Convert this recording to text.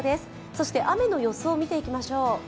そして雨の予想を見ていきましょう。